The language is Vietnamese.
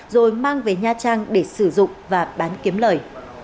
rồi mang về nha trang để sử dụng và bán kiếm lời